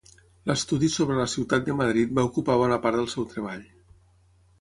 L'estudi sobre la ciutat de Madrid va ocupar bona part del seu treball.